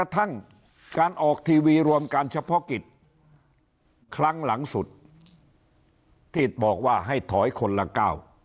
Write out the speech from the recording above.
ที่บอกว่าให้ถอยคนละก้าว